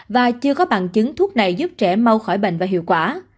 và chưa có bằng chứng thuốc này giúp trẻ mau khỏi bệnh và hiệu quả